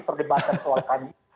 perdebatan soal kami